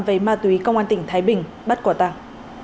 về ma túy công an tỉnh thái bình bắt quả tàng